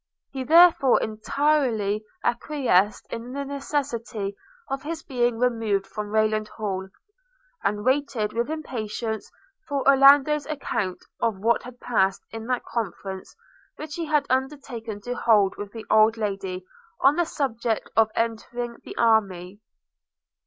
He therefore entirely acquiesced in the necessity of his being removed from Rayland Hall; and waited with impatience for Orlando's account of what had passed in that conference which he had undertaken to hold with the old lady, on the subject of his entering the army.